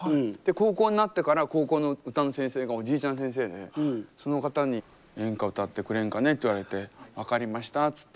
高校になってから高校の歌の先生がおじいちゃん先生でその方に演歌歌ってくれんかねって言われて分かりましたっつって。